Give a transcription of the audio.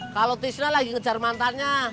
kalo tisna lagi ngejar mantannya